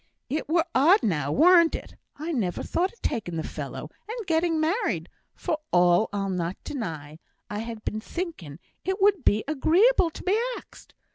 It were odd now, weren't it? I never thought of taking the fellow, and getting married; for all, I'll not deny, I had been thinking it would be agreeable to be axed.